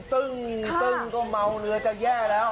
ตึ้งก็เมาเรือจะแย่แล้ว